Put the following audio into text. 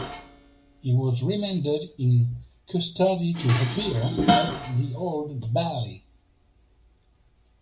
He was remanded in custody to appear at the Old Bailey.